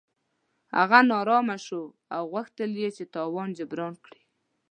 هغه نا ارامه شو او غوښتل یې چې تاوان جبران کړي.